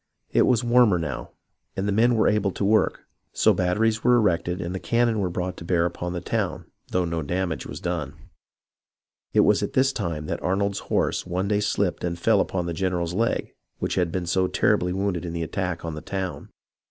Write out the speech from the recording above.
It was warmer now, and the men were able to work, so batteries were erected and the cannon were brought to bear upon the town though no dam age was done. It was at this time that Arnold's horse one day slipped and fell upon the general's leg which had been so terribly wounded in the attack on the town.